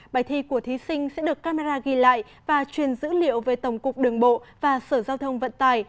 bài thi của thí sinh sẽ được camera ghi lại và truyền dữ liệu về tổng cục đường bộ và sở giao thông vận tải